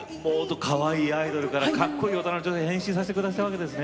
かわいいアイドルからかっこいい大人の女性に変身させて下さったわけですね。